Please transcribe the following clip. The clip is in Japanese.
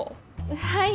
はい。